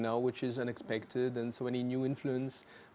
yang tidak diharapkan dan banyak pengaruh baru